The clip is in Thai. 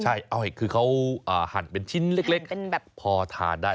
ใช่คือเขาหั่นเป็นชิ้นเล็กพอทานได้